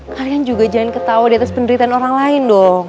kalian juga jangan ketawa di atas penderitaan orang lain dong